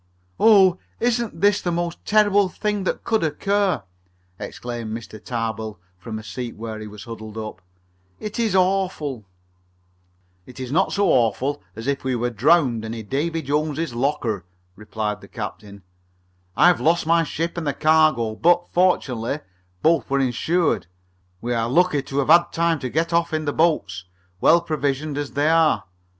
"Oh! Isn't this the most terrible thing that could occur!" exclaimed Mr. Tarbill, from a seat where he was huddled up. "It is awful!" "It's not half so awful as if we were drowned and in Davy Jones's locker," remarked the captain. "I've lost my ship and the cargo, but, fortunately, both were insured. We are lucky to have had time to get off in the boats, well provisioned as they are.